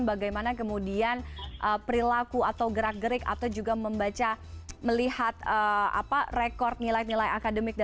bagaimana kemudian perilaku atau gerak gerik atau juga membaca melihat rekod nilai nilai akademik